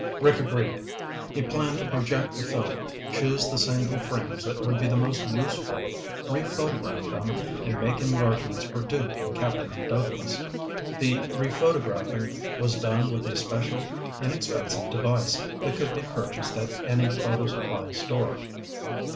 Rick had agreed. He planned to project the film, choose the single frames that would be the most useful, rephotograph them, and make enlargements for Duke and Captain Douglas. The rephotographing was done with a special, inexpensive device that could be purchased at any photo supply store.